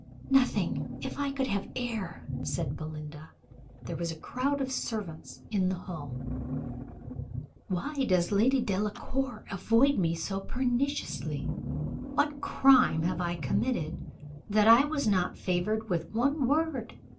"Nothing, if I could have air," said Belinda. There was a crowd of servants in the hall. "Why does Lady Delacour avoid me so pertinaciously? What crime have I committed, that I was not favoured with one word?"